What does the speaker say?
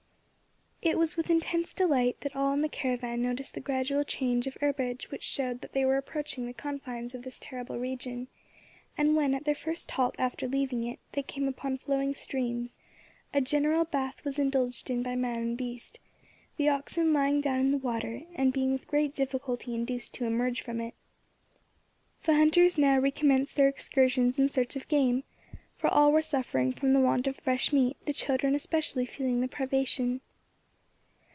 IT was with intense delight that all in the caravan noticed the gradual change of herbage which showed that they were approaching the confines of this terrible region; and when, at their first halt after leaving it, they came upon flowing streams, a general bath was indulged in by man and beast, the oxen lying down in the water, and being with great difficulty induced to emerge from it. The hunters now recommenced their excursions in search of game, for all were suffering from the want of fresh meat, the children especially feeling the privation.